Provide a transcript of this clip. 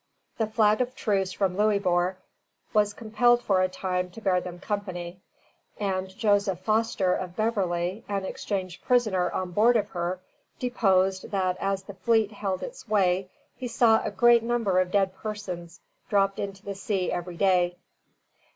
The flag of truce from Louisbourg was compelled for a time to bear them company, and Joseph Foster of Beverly, an exchanged prisoner on board of her, deposed that as the fleet held its way, he saw "a great number of dead persons" dropped into the sea every day.